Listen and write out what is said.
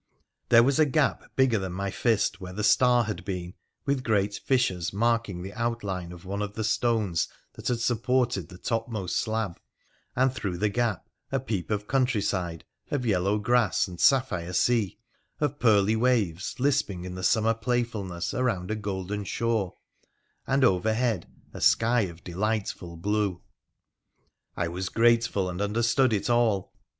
There was a gap bigger than my fist where the star had been, with great fissures marking the outline of one of the stones that had supported the topmost slab, and through the gap a peep of countryside, of yellow grass, and sapphire sea, of pearly waves lisping in summer playfulness around a golden shore, and overhead a sky of delightful blue. I was grateful, and understood it all.